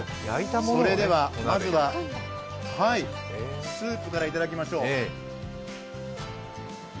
それではまずはスープからいただきましょう。